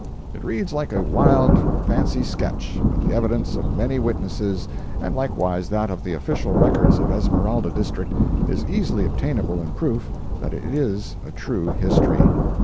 It reads like a wild fancy sketch, but the evidence of many witnesses, and likewise that of the official records of Esmeralda District, is easily obtainable in proof that it is a true history.